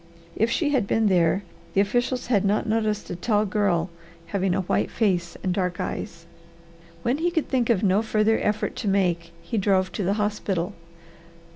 If she had been there, the officials had not noticed a tall girl having a white face and dark eyes. When he could think of no further effort to make he drove to the hospital.